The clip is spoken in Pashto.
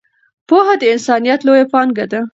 پوهه د انسانیت لویه پانګه ده.